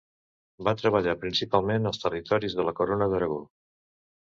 Va treballar principalment als territoris de la Corona d'Aragó.